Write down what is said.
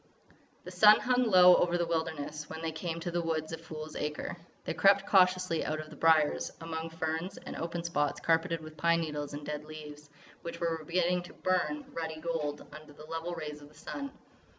The sun hung low over the wilderness when they came to the woods of Fool's Acre. They crept cautiously out of the briers, among ferns and open spots carpeted with pine needles and dead leaves which were beginning to burn ruddy gold under the level rays of the sun.